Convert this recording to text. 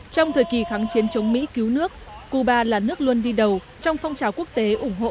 trong thời kỳ kháng chiến chống mỹ cứu nước cuba là nước luôn đi đầu trong phong trào quốc tế ủng hộ